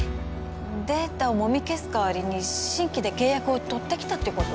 データをもみ消す代わりに新規で契約を取ってきたってこと？